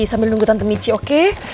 sambil nunggu tante michi oke